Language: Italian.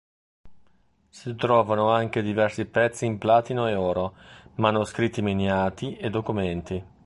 Si trovano anche diversi pezzi in platino e oro, manoscritti miniati e documenti.